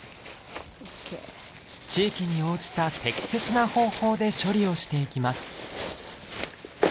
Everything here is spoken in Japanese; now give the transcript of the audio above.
地域に応じた適切な方法で処理をしていきます。